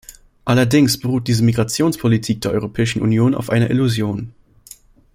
Allerdings beruht diese Migrationspolitik der Europäischen Union auf einer Illusion!